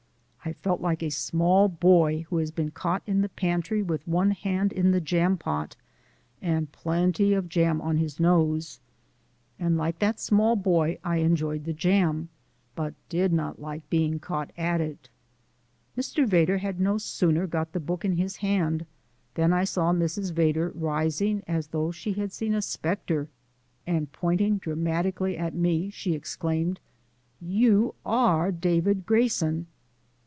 I felt like a small boy who has been caught in the pantry with one hand in the jam pot and plenty of jam on his nose. And like that small boy I enjoyed the jam, but did not like being caught at it. Mr. Vedder had no sooner got the book in his hand than I saw Mrs. Vedder rising as though she had seen a spectre, and pointing dramatically at me, she exclaimed: "You are David Grayson!"